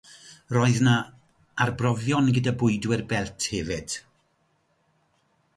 Roedd yna arbrofion gyda bwydwyr belt hefyd.